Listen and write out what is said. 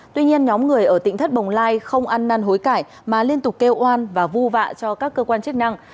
tuy nhiên nhóm người ở tỉnh thất bồng lai không ăn năn hối cải mà liên tục kêu oan và vu vạ cho các cơ quan chức năng